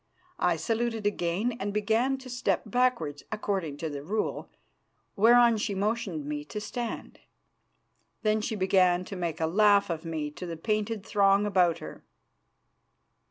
I saluted again, and began to step backwards, according to the rule, whereon she motioned to me to stand. Then she began to make a laugh of me to the painted throng about her.